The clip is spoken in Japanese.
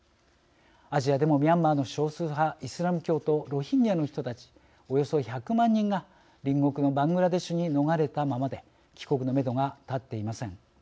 アジアでもミャンマーの少数派イスラム教徒ロヒンギャの人たちおよそ１００万人が隣国のバングラデシュに逃れたままで帰国のめどが立っていません。